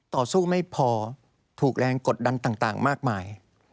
ต่อสู้ไม่พอถูกแรงกดดันต่างมากมาย